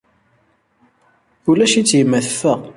Ulac-itt yemma, teffeɣ.